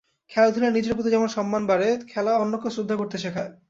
খেলাধুলায় নিজের প্রতি যেমন সম্মান বাড়ে, খেলা অন্যকেও শ্রদ্ধা করতে শেখায়।